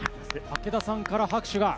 武田さんから拍手が。